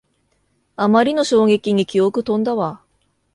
あまりの衝撃に記憶とんだわ